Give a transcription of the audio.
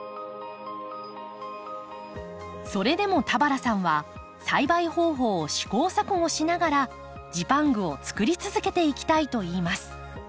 それでも田原さんは栽培方法を試行錯誤しながらジパングをつくり続けていきたいといいます。